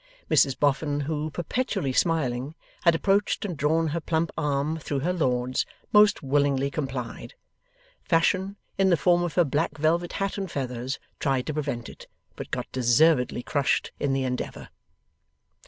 Mrs Boffin who, perpetually smiling, had approached and drawn her plump arm through her lord's, most willingly complied. Fashion, in the form of her black velvet hat and feathers, tried to prevent it; but got deservedly crushed in the endeavour.